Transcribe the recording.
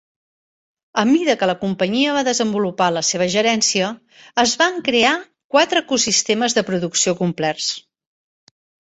A mida que la companyia va desenvolupar la seva gerència, es van crear quatre ecosistemes de producció complets.